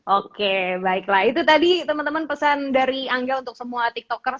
oke baiklah itu tadi temen temen pesan dari angga untuk semua tiktokers